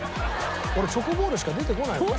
俺チョコボールしか出てこないもん。